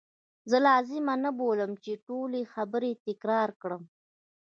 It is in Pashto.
زه لازمه نه بولم چې ټولي خبرې تکرار کړم.